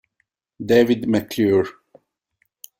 David McClure